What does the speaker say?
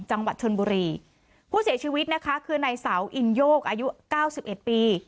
จังหวัดชนบุรีผู้เสียชีวิตนะคะคือในเสาอินโยกอายุเก้าสิบเอ็ดปี